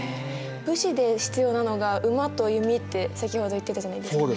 武士で必要なのが馬と弓って先ほど言ってたじゃないですか。